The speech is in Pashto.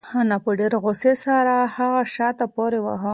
انا په ډېرې غوسې سره هغه شاته پورې واهه.